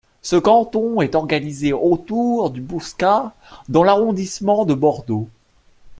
Ce canton est organisé autour du Bouscat dans l'arrondissement de Bordeaux.